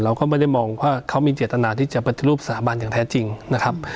เราก็ไม่ได้มองว่าเขามีเจตนาที่จะปฏิรูปสถาบันอย่างแท้จริงนะครับ